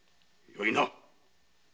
よいな！